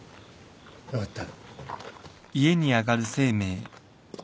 分かった。